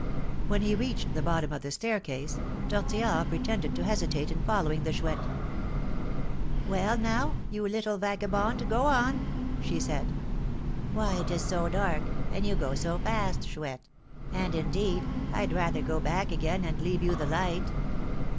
When he reached the bottom of the staircase, Tortillard pretended to hesitate in following the Chouette. "Well, now, you little vagabond, go on!" she said. "Why, it is so dark; and you go so fast, Chouette! And, indeed, I'd rather go back again, and leave you the light."